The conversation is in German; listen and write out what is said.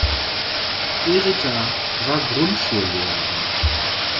Erika war Grundschullehrerin.